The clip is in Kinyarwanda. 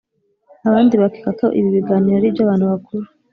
abandi bakeka ko ibi biganiro ari iby’abantu bakuru,